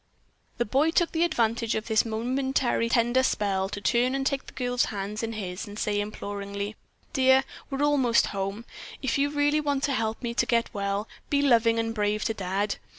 The boy took advantage of this momentary tender spell to turn and take the girl's hands in his and say imploringly: "Dear, we're almost home. If you really want to help me to get well, be loving and brave to Dad.